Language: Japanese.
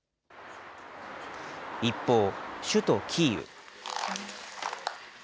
一方、首都キーウ。